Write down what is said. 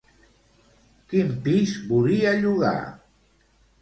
Quin pis volia llogar?